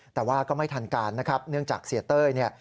แต่ว่าก็ไม่ทันการนะครับเนื่องจากเสียเต้ยเนี่ย